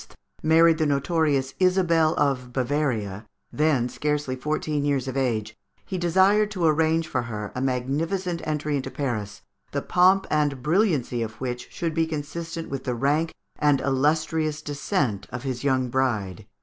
married the notorious Isabel of Bavaria, then scarcely fourteen years of age, he desired to arrange for her a magnificent entry into Paris, the pomp and brilliancy of which should be consistent with the rank and illustrious descent of his young bride.